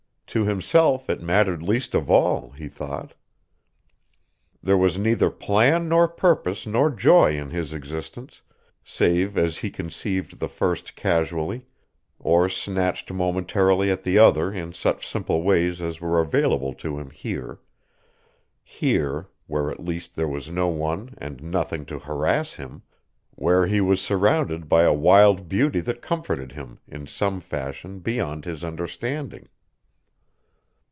To himself it mattered least of all, he thought. There was neither plan nor purpose nor joy in his existence, save as he conceived the first casually, or snatched momentarily at the other in such simple ways as were available to him here, here where at least there was no one and nothing to harass him, where he was surrounded by a wild beauty that comforted him in some fashion beyond his understanding.